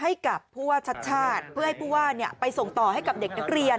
ให้กับผู้ว่าชัดชาติเพื่อให้ผู้ว่าไปส่งต่อให้กับเด็กนักเรียน